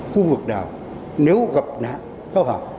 khu vực nào nếu gặp nạn